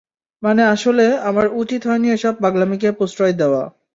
মানে, আসলে, আমার উচিত হয়নি এসব পাগলামিকে প্রশ্রয় দেওয়া।